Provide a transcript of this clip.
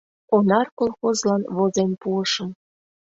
«Онар» Колхозлан возен пуышым.